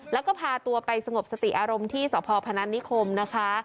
แล้วก็พาตัวไปสงบสติอารมณ์ที่สพพนัทนิคมนะคะ